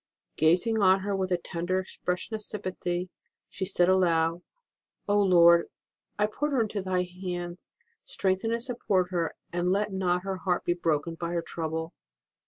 Gazing on her with a tender ex pression of sympathy, she said aloud : Oh, Lord, I put her into Thy hands ; strengthen and support her, and let not her heart be broken by her trouble.